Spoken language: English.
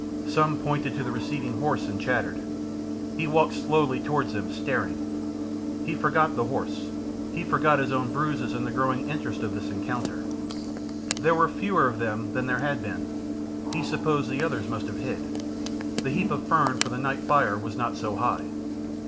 Some pointed to the receding horse and chattered. He walked slowly towards them, staring. He forgot the horse, he forgot his own bruises, in the growing interest of this encounter. There were fewer of them than there had been he supposed the others must have hid the heap of fern for the night fire was not so high.